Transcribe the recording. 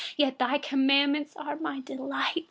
Your commandments are my delight.